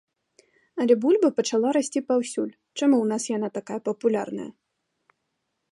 Але бульба пачала расці паўсюль, чаму ў нас яна такая папулярная.